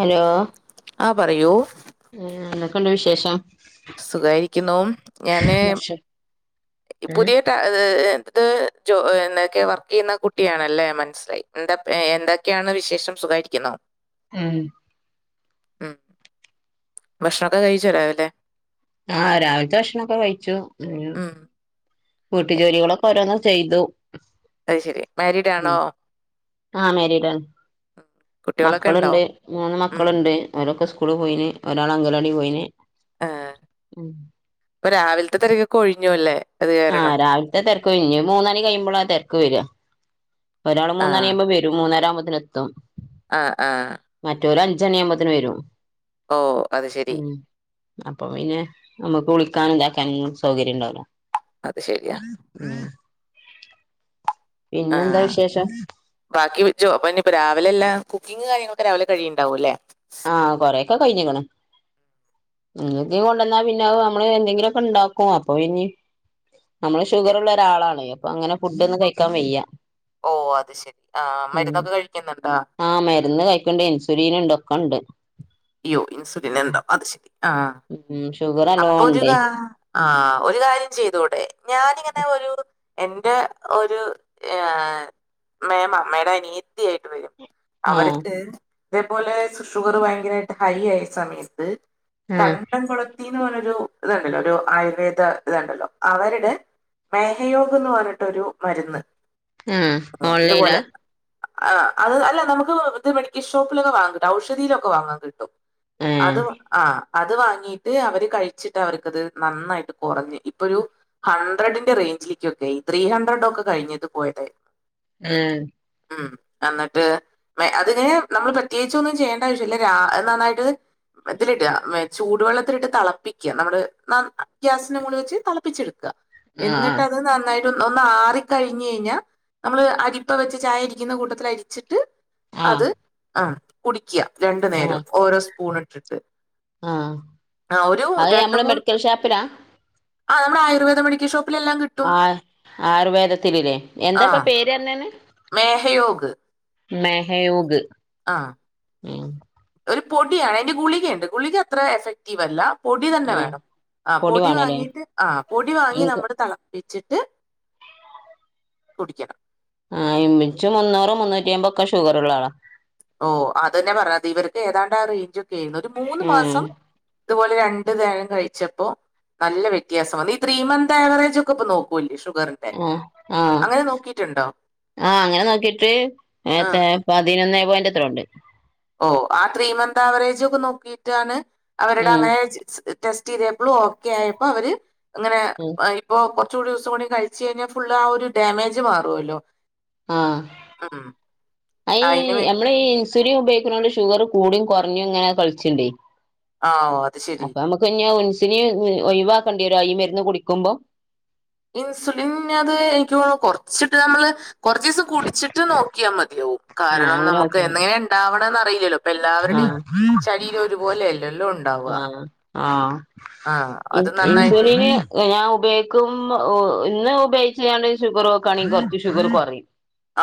Hello ആ പറയൂ എന്നാക്കൊണ്ട് വിശേഷം? സുഖായിരിക്കുന്നു. ഞാന് ഉം പുതിയ എത് എന്തൊക്കെ വർക്ക് ചെയ്യുന്ന കുട്ടിയാണല്ലേ മനസ്സിലായി. എന്താ എന്തൊക്കെയാണ് വിശേഷം സുഖയിരിക്കുന്നോ? ഉം ഉം ഭക്ഷണമൊക്കെ കഴിച്ചോ രാവിലെ? ആഹ് രാവിലത്തെ ഭക്ഷണമൊക്കെ കഴിച്ചു ഉംഹ് ഉം വീട്ടു ജോലികളൊക്കെ ഓരോന്ന് ചെയ്തു. അത് ശെരി മാരീഡാണോ? ആഹ മാ രീടാണ്. കുട്ടികളൊക്കെ ഉണ്ടോ മക്കളുണ്ട് മൂന്ന് ഉം മക്കളുണ്ട്. ഓരക്കെ സ്കൂളി പോയിന് ഒരാള് അംഗണ വാടി പോയിന്. ആ. ഇപ്പൊ രാവിലത്തെ തിരക്കൊ ക്കെ ഒഴിഞ്ഞു ല്ലേ? ആഹ് രാവിലത്തെ തിരക്ക്ഴിഞ്ഞ്ന്നി മൂന്നണി കഴിയുമ്പോള തെരക്ക് വര ഒരാള് ആ മൂന്നണിആവുമ്പം വര ഒരു മൂന്നരാവുമ്പോത്തിനെത്തും ആ ആ മറ്റോര് അഞ്ചണി ആവുമ്പോത്തിന് വരും ഓ അത് ശരി ഉംഹ് അപ്പം പിന്നെ നമുക്ക് കുളിക്കാനും ഇതാക്കാനുംഒന്നും സൗകര്യംഇണ്ടാവൂല. അത് ശരിയാ ഉം ആ പിന്നെന്താ വിശേഷം ബാക്കി ജോ ഇപ്പൊ രാവിലെല്ല കുക്കിംഗ് കാര്യങ്ങളൊക്കെ രാവിലെ കഴിയുണ്ടാവും അല്ലേ ആഹ് കുറേക്ക കഴിഞ്ഞ് ക്ക്ണ് ഇങ്ങ കൊണ്ടുവന്നാ പിന്നെ നമ്മള് എന്തെങ്കിലുമൊക്കെ ഉണ്ടാക്കോ അപ്പൊ ഇനി നമ്മള് ശരി ഷുഗർള്ള ഒരാളാണ് അപ്പൊ അങ്ങനെ ഫുഡ് ഒന്നും കയി ക്കാൻ വയ്യ ഓ അത് ശെരി. ആ മരുന്നൊക്കെ കഴിക്കുന്നുണ്ടാ? ആഹ് മരുന്ന് കഴിക്ക്ണ്ട് ഇൻസുലീൻ ഇണ്ട് ഒക്കണ്ട്. അയ്യോ ഇൻസുലിൻ ഉണ്ടോ? അത് ശരി ആ ഉം ഷുഗർ നല്ലോം അപ്പൊ ജ് ഉണ്ട് കാ ആ ഒരു കാര്യം ചെയ്തൂടെ? ഞാനിങ്ങനെ ഒരു എന്റെ ഒരു ഏ മേമ മ്മടെ അനിയത്തിയായിട്ട് വരും ആഹ് അവർക്ക് ഇതേപോലെ ഷുഗർ ഭയങ്കരായിട്ട് ഹൈ ആയ സമയത്ത് ആഹ് കണ്ടംകു ളത്തിന്ന് പറഞ്ഞൊ രു ഇത്ണ്ടല്ലോ ഒരു ആയുർവേദ ഇത്ണ്ടല്ലോ അവര്ടെ മേഹയോഗം എന്ന് പറഞ്ഞിട്ടൊരു മരുന്ന് ആഹ് ഓൺലൈലാ ഇതുപോലെ ആഹ് അത് അല്ല നമുക്ക് ഇത് മെഡിക്കൽ ഷോപ്പിലൊക്കെ വാങ്ങൻ കിട്ടും. ഔഷധീലൊക്കെ വാങ്ങാൻ കിട്ടും. ഏഹ് അത് ആഹ അത് വാങ്ങിട്ട് അവര് കഴിച്ചിട്ട് അവർക്കത് നന്നായിട്ട് കുറഞ്ഞ് ഇപ്പൊ ഒരു ഹൺഡ്രഡിന്റെ റേഞ്ചിലേക്കൊക്കെ ത്രീ ഹൺഡ്രഡ് ഒക്കെ കഴിഞ്ഞത് പോട്ടെ ഏഹ് ഉം എന്നിട്ട് അതിങ്ങനെ നമ്മൾ പ്രത്യേകിച്ച് ഒന്നും ചെയ്യേണ്ട ആവശ്യല്ല നന്നായിട്ട് ഇതിലിട ചൂടുവെള്ളത്തിലിട്ട് തിളപ്പിക്കുക നമ്മള് ഗ്യാസിന്റെ കൂടി വെച്ച് തിളപ്പിച്ചെടുക്കുക എന്നിട്ട് ആഹ് അത് നന്നായിട്ട് ഒന്ന് ആറി കഴിഞ്ഞ് കഴിഞ്ഞൽ നമ്മള് അരിപ്പ വെച്ച് ചായ ഇരിക്കുന്ന കൂട്ടത്തിൽ അരിച്ചിട്ട് ആഹ് അത് ആ കുടിക്കുക രണ്ടു ആഹ് നേരം ഓരോ സ്പൂൺ ഇട്ടിട്ട് ആഹ് ആ ഒരു അത് രണ്ട് നമ്മള് മൂന്ന് മെഡിക്കൽ ഷോപ്പിലാ ആ നമ്മുടെ ആയുർവദ മെഡിക്കൽ ഷോപ്പിൽ എല്ലാം ആ ആയുർവേദത്തിലല്ലേ ആ എന്താപ്പ പേര്ണന്നന്ന് മേഹയോഗ് മെഹയോഗ് ആ ഒരു പൊടിയാണ് അതിന്റെ ഗുളികണ്ട് ഗുളിക അത്ര എഫക്ട് വല്ല പൊടി തന്നെ ആഹ് വേണം ആ പൊടി വാങ്ങീട്ട് ആഹ് പൊടി വാങ്ങി എനിക്ക് നമ്മള് തള വെച്ചിട്ട് കുടിക്കണം ആഹ് ഇച്ച് മുന്നൂറ് മുന്നൂറ്റിയുമ്പോ ഒക്കെ ഷുഗർള്ള ആളാ ഓഹ് അതന്നെ പറഞ്ഞത് ഇവർക്ക് ഏതാണ്ട് റേഞ്ച് ഒക്കെ ആയിരുന്നു ഒരു മൂന്ന് ആഹ് മാസം ഇതുപോലെ രണ്ടു തരം കഴിച്ചപ്പൊ നല്ല വ്യത്യാസമാണ് ഈ ത്രീ മന്ത് അവറേജ് ഒക്കെപ്പൊ നോക്കൂല്ലേ ഷുഗറ് ആ ആഹ ആ അങ്ങനെ നോക്കിട്ട് ആ പതിനൊന്നേ പോയിന്റ് എത്ര ഉണ്ട് ഓഹ് ആഹ് ത്രീ മന്ത് ആവറേജ് ഒക്കെ നോക്കിയിട്ടാണ് അവരുടെ ഉം അങ്ങനെ ടെസ്റ്റ് ചെയ്തപ്പൊളും ഓക്കെ ആയപ്പോ അവര് അങ്ങനെ ഉം ഇപ്പൊ കൊറച്ച് കൂടി ദിവസം കൂടി കഴിച്ച് കഴിഞ്ഞാ ഫുൾ ആ ഒരു ഡാമേജ് മാറുവല്ലോ ആഹ അയി അതിന് വേ അ മ്മള് സുലിൻ ഉപയോഗിക്കുന്നോണ്ട് ഷുഗർ കൂടും കുറഞ്ഞും ഇങ്ങനെ കളിച്ചു ണ്ടേ ആഓ അത് ശെരി ഞാൻ ഇൻസുലിൻ ഒഴവാക്കണ്ടി വരോ ഇ മരുന്ന് കുടിക്കുമ്പോം ഇൻസുലിൻ അത് എനിക്ക് തോന്നണു കുറച്ചിട്ട് നമ്മള് കുറച്ചിസം കുടിച്ചിട്ട് നോക്കിയാൽ മതിയാവും ആഹ് കാരണം അങ്ങനെ നമുക്ക് നോക്കിയാതി എന്തങ്ങനെ ഉണ്ടാവണന്ന് അറിയില്ലല്ലോ അപ്പ എല്ലാവരുടെയും ആഹ് ശരീരം ഒരുപോലെല്ലല്ലോ ഉണ്ടാവുവ ആഹ് ആഹ് ആഹ് അത് നന്നായിട്ട് ഞൻ ഉപയോഗിക്കും ഇന്ന് ഉപയോഗിച്ച് ഞാ ഷുഗർ നോക്കാം യാണെങ്കി കൊ റച്ച് ഷുഗറ് കുറയും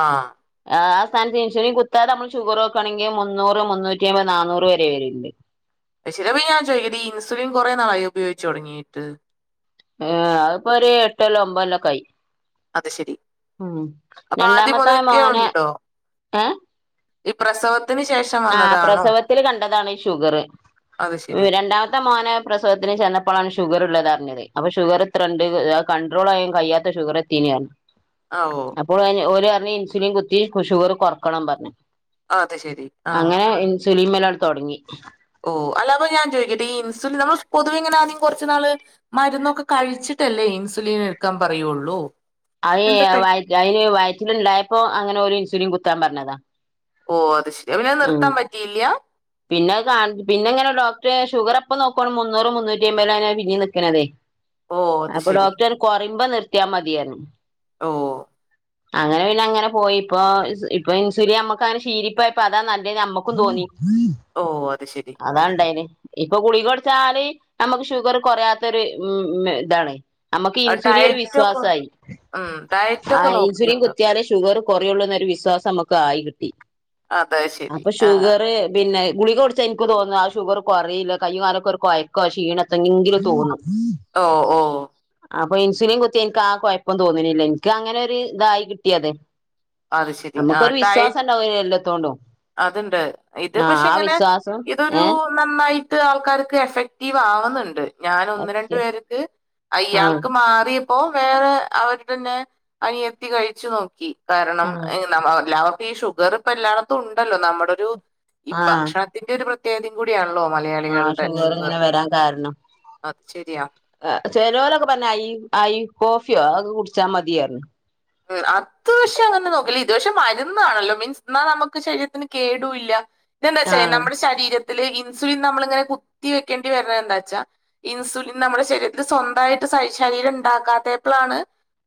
ആഹ് ആ ആഥാനത്ത് ഇൻസൂലിൻ കുത്തതെ നമ്മള് ഷുഗർ നോക്കണെങ്കിൽ മുന്നൂറ് മുന്നൂറ്റി അമ്പത് നന്നൂറ് വരെ വരുണ്ട് പ ചിലപ്പ ഞാൻ ചോദിക്കട്ട ഇൻസുിൻ കുറെേ നാാളിയൊഉപയോഗിച്ചച്ച് തുടങ്ങീട്ട് ആഏ അപ്പോൊ ഒരു എട്ടല്ലോ ഒമ്പതല്ലോക്കയി അത് ശരി ഉ അപ്പൊ ആദ്യം രണ്ടാമത്ത മുതൽക്കേ മോനെ ഉണ്ടോ ഏ ഈ പ്രസവം അതി ന് ശേഷം ആഹ വന്നതാണോ പ്രസവത്തിൽ കണ്ടതാണി ഷുഗറ് അത് ശരി രണ്ടാമത്തെ മോനായ പ്രസവത്തിന് ചെന്നപ്പോഴാണ് ഷുഗർ ഉള്ളത് അറിഞ്ഞത് അപ്പൊ ഷുഗറെ ത്ര ഉണ്ട് അത് കണ്ട്രോൾ യ്യാൻ കഴിയാത്ത ഷുഗർ എത്തിനെയ് അ ആഓ അപ്പൊ ൾ ഓര് റഞ്ഞി ഇൻസുലിൻ കുത്തി ഷുഗർ കുറക്കണം ന്ന് പറഞ്ഞു അ അത ശെരി അങ്ങനെ ഇൻസുലിമൽ തുടങ്ങി ഓ അപ്പ ഞാൻ ചോദിക്കട്ടെ ഈ ഇൻസുിൻ നമ്മൾൊവ ഇങ്ങനൊണെം കുറച്ച നാള് മരുന്നൊക്കെ കഴിച്ചിട്ടല്ലേ ഇൻസുലിൻ എടുക്കാൻ പറയുള്ളൂ അ എന്താ പെ വ അതിന് വയറ്റിലണ്ടായപ്പോ അങ്ങനെ ഒരു ഇൻസുലിൻ കുത്താൻ പറഞ്ഞതാ ഓ അത് ശരി അന ഉം നിർത്താൻ പറ്റിയില്ല പിന്നെ കാ പിന്നെങ്ങനെ ഡോക്ടർ ഷുഗർ അപ്പ നോക്കുവാണ് മുന്നൂറ് മുന്നൂറ്റി അമ്പത പിന്നെ നിക്ക്ണതേ ഓ അത് അപ്പൊ ശരി ഡോക്ടർ കുറയ്പോ നിർത്തിയാ മതിയാണ് ഓ അങ്ങനെ പി അങ്ങനെ പോയി ഇപ്പോ ഇപ്പൊ ഇൻസുലി നമ്മുക്ക് അങ്ങനെ ശീലിപ്പയപ്പോ അതാ നല്ലീ നമ്മക്കും തോന്നി മ ഓ അത് ശരി അതാ ഉണ്ടായല് ഇപ്പൊ കുളികടച്ചാല് നമുക്ക് ഷുഗർ കുറയാത്തൊരു ഉ ഇതാണ് നമ്മക്ക് ഇൻസുലിൻ ഒരു ഡയറ്റ് ഒക്കെ വിശ്വാസയി ഉം ഡയറ്റ് ഒക്കെ ആഹ് ഇൻസുലിൻ നോക്കിയുണ്ടോ കുത്തിയല് ഷുഗർ കൊറയുള്ളൂ എന്നൊരു വിശ്വാസം നമുക്ക് ആയി കിട്ടി അത് ശരി അപ്പൊ ആ ഷുഗർ പിന്നെ ഗുളിക കൊടച്ച് എനിക്ക് തോന്നുന്നു ആ ഷുഗർ കുറല്ല കയ്യ കാലൊക്കെ ഒരു കുഴയ്ക്കോ ആ ക്ഷീണക്കെ എത്തെങ്കിലും തോന്നും ഓഹ് ഓഹ് അപ്പൊ ഇൻസുലിൻ കുത്തി എനിക്ക് ആ കുഴപ്പം തോന്നുന്നില്ല എനിക്ക് അങ്ങനെ ഒരു ഇതായി കിട്ടിയതെ അത് ശരി നമുക്കൊരു വിശ്വാസം ഉണ്ടാവ എല്ലാത്തണ്ടും അത്ണ്ട് ഇത് പക്ഷെ ഇങ്ങനെ വിശ്വാസം ഇതൊരു ഏഹ് നന്നായിട്ട് ആൾക്കാർക്ക് എഫക്റ്റീവ് ആവുന്നുണ്ട് ഞാൻ ഒന്ന് രണ്ട പേർക്ക് ആഹ് അയാൾക്ക് മാറിയ അപ്പോൊ വേറെ അവരുടെ തന്നെ അനിയ ത്തി കഴിച്ചു നോക്കി കാരണം എല്ലാവർക്കും ഈ ഷുഗർ ഇപ്പ എല്ലായിടത്തും ഉണ്ടല്ലോ നമ്മുടെൊ ഒരു ഈ ആഹ് ഭക്ഷണ ഇതിന്റെ ഒരു പ്രത്യേകതയും കൂടിയാണല്ലോ ആഹ് മലയാളികളുടെ ഷുഗർ ഇങ്ങനെ വരാൻ കാരണം അത് ശെരിയാ ചെലോലൊക്കെ പറഞ്ഞ അ അ കോഫിയോ അതക്കെ കുടിച്ചാൽ മതിയായിരുന്നു ആ [unintelligible] അങ്ങനെ നോക്കില്ല ഇതുപക്ഷെ മരുന്നാണല്ലോ മീൻസ് എന്നാൽ നമുക്ക് ശരീരത്തിന് കേടൂല്ല ഇതെന്താ വച്ചാ ആഹ് നമ്മുടെ ശരീരത്തില് ഇൻസുലിൻ നമ്മളിങ്ങനെ കുത്തി വെക്കേണ്ടി വരണ എാ വെച്ചാ ഇൻസുലിൻ നമ്മുടെ ശരീരത്തിൽ സ്വന്തമായിട്ട് ശരീരം ഉണ്ടാക്കാത്തപ്പോളാണ്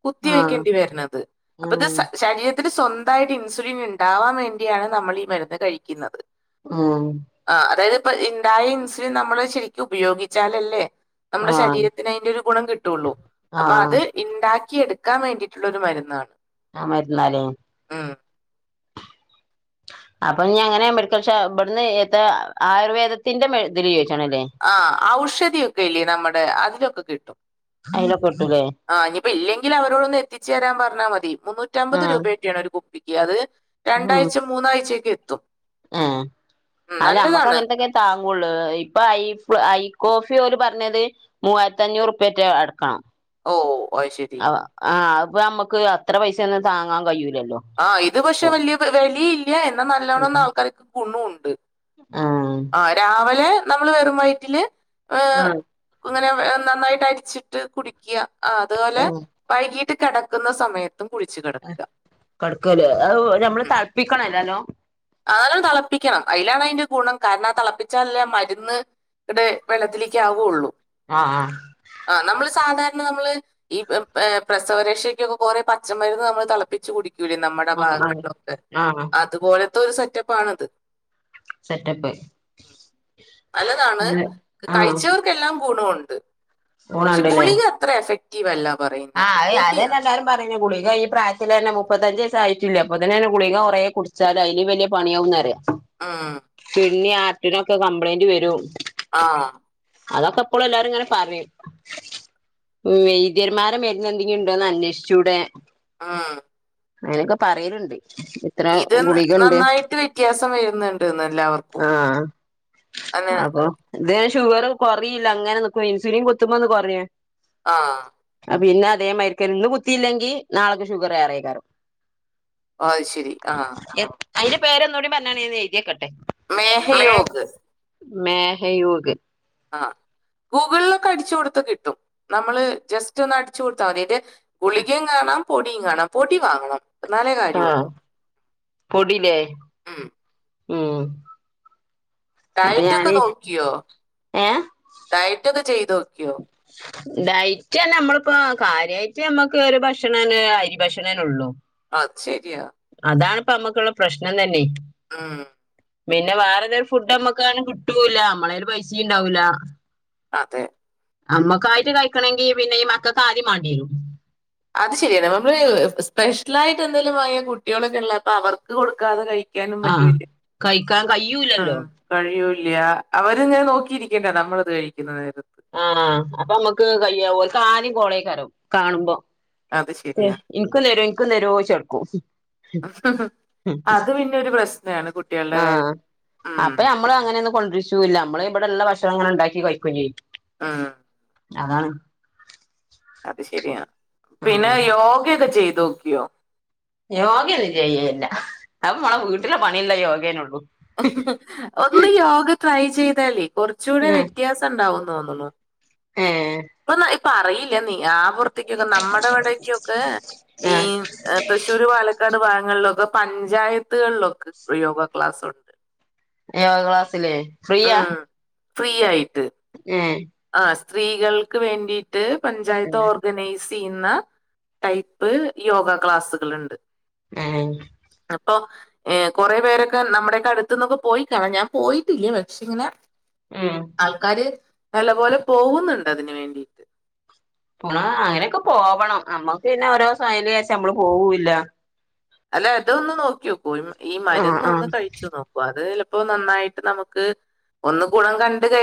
കുത്തി ആഹ് വെക്കേണ്ടി വരണത് അപ്പൊ ഇത് ആഹ് സൈ ശരീരത്തിൽ സ്വന്തമായിട്ട് ഇൻസുലിൻ ഉണ്ടാവാൻ വേണ്ടിയാണ് നമ്മൾ ഈ മരുന്ന് കഴിക്കുന്നത് ആഹ് ആ അതായത് ഇപ്പൊ ഉണ്ടായ ഇൻസുലിൻ നമ്മള് ശരിക്കും ഉപയോഗിച്ചാലല്ലേ നമ്മടെ ആഹ് ശരീരത്തിന് അതിന്റെ ഒരു ഗുണം കിട്ടുള്ളൂ അപ്പൊ അത് ആഹ് ഇണ്ടാക്കിയ എടുക്കാൻ വേണ്ടിയിട്ടുള്ള ഒരു മരുന്ന് എന്നാണ് ആ മരുന്നാലേ ആ അപ്പൊ നീ അങ്ങനെ മെഡിക്കൽ ഷ ഇടുന്ന് ഏത്ത ആയുർവേദത്തിന്റെ മ ഇതില് ചോദിച്ചണല്ലേ ആ ഔഷധിയൊക്കെ ഇല്ലേ നമ്മുടെ അതിലൊക്കെ കിട്ടും അയ്‌ല്ല കൂട്ടൂല്ലേ ആ്നിപ്പോ ഇല്ലെങ്കിൽ അവരോട ഒന്ന് എത്തിച്ചു തരാൻ പറഞ്ഞാൽ മതി മുന്നൂറ്റ മ്പത് ആഹ് രൂപയൊട്ടെയാണ് ഒരു അത് രണ്ടാഴ്ച മൂന്നാഴ്ചക്ക എത്തും ആ ഉം, അല്ല അമ്മക്ക് നല്ലതാണ് അങ്ങനത്തൊക്കെ താങ്ങൂുള്ളൂ ഇപ്പൊ ഐ ഫ ഐ കോഫി ഓല് പറഞ്ഞത് മൂവായിരത്തി അഞ്ഞൂറ്ുപറ്റ അടുക്കണം ഓഓ ശരി അഹ് ആഹ് അപ്പൊ നമക്ക് അത്ര പൈസ ഒന്നും താങ്ങാൻ കഴിയൂലല്ലോ ആഹ് ഇത് പക്ഷെ വല്യ വെലില്ല എന്നാ നല്ലോണംന്ന ആൾക്കാർക്ക് ഗുണുണ്ട് ആഹ ആ രാവിലെ നമ്മള് വെറും വയ്റ്റില് ആഹ് ങ്ങനെ നന്നായിട്ട് അരിച്ചിട്ട് കുടിക്കുക ആ തുപോലെ ആഹ് വൈകീട്ട് കെടക്കുന്ന സമയത്തും കുളിച്ചു കെടക്കുക കിടക്കൂലെ അഹ് നമ്മള് തളപ്പിക്കണല്ലെല്ലോം ആ നല്ലോണം തിളപ്പിക്കണം അതിലാണ് അതിന്റെ ഗുണം കാരണം ആ തിളപ്പിച്ചാലല്ലേ അ മര്ന്ന് ട് വെള്ളത്തിലേക്ക് ആകുള്ളൂ ആ ആ ആ നമ്മള് സാധാരണ നമ്മള് ഈ പ്രസവരക്ഷയ്ക്കൊക്കെ കൊറെേ പച്ചമരുന്ന് നമ്മൾ തളപ്പിച്ച് കുടിക്കൂലെ നമ്മുടെ ആഹ് ആഹ് ഭാഗങ്ങളിലൊക്കെ ആഹ് അതുപോലത്തെരു സെറ്റപ്പാണത് സെറ്റപ്പ് നല്ലതാണ് ആഹ് കഴിച്ചവർക്കെല്ലാം ഗുണോണ്ട് പക്ഷെ ഊണണ്ടല്ലേ ഗുളിക അത്ര എഫക്റ്റീവല്ല പറയുന്നത് പൊടിയാണ് ഈ പറഞ്ഞ ഗുളിക പ്രായത്തിലത്തിലെന്നെ മുപ്പത്തഞ്ചു വയസ്സായിറ്റില്ല ആയിട്ടില്ല അപ്പൊത്തിനന്നെ ഗളിക കുറെേ കുടിച്ചാല് അതിന് വല്യ പണിയാവുന്നറിയാ ആ കിഡ്നി ആർട്ടിനൊക്കെ കംപ്ലൈന്റ് വെരും ആഹാ അതൊക്കെ എപ്പോഴും എല്ലാരുങ്ങനെ പറയും വൈദ്യര് വാര മരുന്ന് എന്തെങ്കി ണ്ടോന്ന് അന്വേഷിച്ചൂടെ ആഹ അയിനൊക്കെ പറിണ് ണ്ട് ഇത് നന്നായിട്ട് വിത്യാസം വര്ന്ന്ണ്ട്ന്ന് എല്ലാവർക്കും ആഹ് അങ്ങനെ അപ്പൊ ഇത് ഷുഗർ കൊറയില്ല അങ്ങനെനിക്കും ഇൻസുലിൻ കൊത്തുമ്പോന്ന് കൊറയെ ആഹ ആ പിന്നതേമാരിക്കന്നെ ഇന്ന് കുത്തില്ലെങ്കിൽ നളെക്ക് ഷുഗറെയ് ക്കാരം ആയ്ശരി എ അയിന്റെ പേരൊന്നൂടി പറ്ഞ്ഞാണി ഞാന് എഴ്‌തെക്കട്ടെ ലെഹയോക്ക് മേഹയൂഗ് ആഹ് ഗൂഗിൾലൊക്കെ അടിച്ചു കൊടുത്ത കിട്ടും നമ്മള് ജസ്റ്റ് ഒന്ന് അടിച്ചു കൊടുത്താമതി അയ്ന്റെ ഗുളികേം കാണാം പൊടിയും കാണാം പൊടി വാങ്ങണം എന്നാലേ ആഹ കാര്യമുള്ളൂ പൊടയില്ലേ ഉം ഉം അപ്പൊ ഡയറ്റൊക്കെ ഞാന് നോക്കിയോ ഏഹ് ഡയറ്റൊക്കെ ചെയ്ത് നോക്കിയോ ഡൈറ്റ്റഞ്ഞാ നമ്മളിപ്പോ കാര്യയായിട്ട് നമ്മക്ക് ഒരു ഭക്ഷണല്ലെ അരി ഭക്ഷണല്ലേ ഉള്ളൂ ആഹ ശരിയ. അതാണിപ്പ ഞാമ്മക്കുള്ള പ്രശ്നം തന്നെ. ഉം.. പിന്നെ വേറെന്തേരു ഫുഡ് നമ്മുക്കങ്ങനെ കിട്ടൂല്ല, നമ്മളെല് പൈസയും ഉണ്ടാവൂല. അതെ അമ്മക്കായിട്ട് കഴിക്കണെങ്കിൽ പിന്നെ ഈ മക്കക്കാദ്യം മാണ്ടെരും അത് ശരിയാണ് നമ്മള് സ്പെഷ്യലായിട്ട് എന്തേലും വാങ്ങിയ കുട്ടികളൊക്കെഉള്ള അപ്പൊ അവർക്ക് കൊടുക്കാതെ കഴിക്കാ ആഹ കഴിക്കാൻ കയ്യൂലല്ലോ കഴിയൂല്ല അവരിങ്ങനെ നോക്കിയിരിക്കണ്ടെ നമ്മളിത് കഴിക്കുന്ന നേരത്ത് ആഹ അപ്പൊ നമ്മുക്ക് കയ്യാവോ ആദ്യം ഓല്ക് കോളേക്കരും കാണുമ്പോ അത് ശരിയാ ഇൻക്കും തരോ ഇൻക്കും തരോയ്ച്ച് നട്ക്കും ങ്ഹും അത് പിന്നൊരു പ്രശ്നാണ് കുട്ട്യാളെ കാര്യത്തില് അപ്പെ നമ്മള് അങ്ങനൊന്നും കൊണ്ടിരിചൂല്യ നമ്മള് ഇവിടെള്ള ഭക്ഷണ ങ്ങനെ ഇണ്ടാക്കി കഴിക്കേയും ചെയ്യും ആഹ്, അതാണ്. അത് ശരിയാ, ഉം പിന്നെ ഉം യോഗക്കെ ചെയ്ത് നോക്കിയോ? യോഗയന്നന്ന് ചെയ്യയില്ല, അപ്പൊ നമ്മള വീട്ടിലെ പണില്ല യോഗേന ഉള്ളൂ. ഒന്ന് യോഗ ട്രൈ ചെയ്താലേ, കുറച്ച കൂടെ വ്യത്യാസം ഉണ്ടാവു തോന്നണു. ഏഹ്, ഇപ്പൊ ഇപ്പ അറിയില്ല, നീ ആ പുറത്തേക്കൊക്കെ നമ്മുടെ ഇവിടക്കൊക്കെ ഈ.. ആ തൃശൂർ, പാലക്കാട് ഭാഗങ്ങളിലൊക്കെ പഞ്ചായത്തുകളിലൊക്കെ യോഗ ക്ലാസുണ്ട്. യോഗ ക്ലാസ്സിലേ? ഫ്രീയാ ഉം, ഫ്രീ ആയിട്ട്. ഏ. ആ സ്ത്രീകൾക്ക് വേണ്ടിട്ട് പഞ്ചായത്ത് ഓർഗനൈസ്. ചെയ്യുന്ന ടൈപ്പ് യോഗ ക്ലാസ്സുകളുണ്ട്. ഏഹ്, അപ്പൊ, ഏ, കൊറേപേരൊക്കെ നമ്മുടെയൊക്കെ അടുത്തന്നൊക്കെ പോയി കാണാം ഞാൻ പോയിട്ടില്ല, പക്ഷെ ഇങ്ങനെ.. ഉം, ആൾക്കാാര് നല്ലപോലെ പോകുന്നുണ്ട് അതിന് വേണ്ടി. ആ അങ്ങനെയൊക്കെ പോവണം, നമ്മുക്ക് പിന്നെ ഓരോ സൈലിജാര്ച്ച് നമ്മള് പോവൂല്ല. അല്ല ഇതൊന്ന് നോക്കി നോക്കൂ, ഈ ആ മരുന്ന് ആ ഒന്ന് കഴിച്ചു നോക്ക അത് ചിലപ്പോ നന്നായിട്ട് നമുക്ക് ഒന്ന് ഗുണം കണ്ട ക